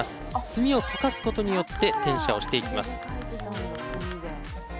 墨を溶かすことによって転写をしていきます。